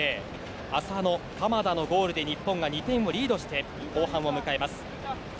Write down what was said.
浅野、鎌田のゴールで日本が２点をリードして後半を迎えます。